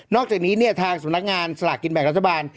อกจากนี้เนี่ยทางสำนักงานสลากกินแบ่งรัฐบาล